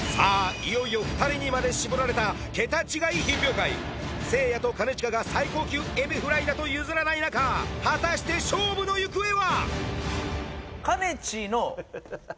いよいよ２人にまで絞られたケタ違い品評会せいやと兼近が最高級エビフライだと譲らない中果たして勝負の行方は！？